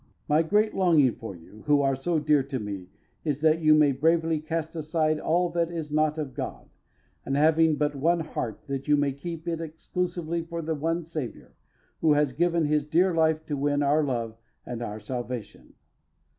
My great longing for you, who are so dear to me, is that you may bravely cast aside all that is not of God, and having but one heart, that you may keep it exclusively for the one Saviour, who has given His dear life to win our love and our salvation....